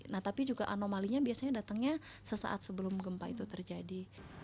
nah tapi juga anomalinya biasanya datangnya sesaat sebelum gempa itu terjadi